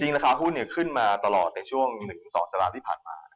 ราคาหุ้นขึ้นมาตลอดในช่วง๑๒สัปดาห์ที่ผ่านมา